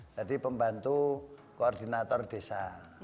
jadi pembantu koordinator desa